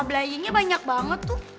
buyingnya banyak banget tuh